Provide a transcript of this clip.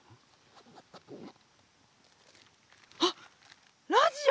あっラジオ！